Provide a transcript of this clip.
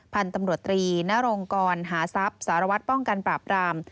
พันธุ์ตำรวจตรีนรงกรหาทรัพย์สารวัตรป้องกันปราบราม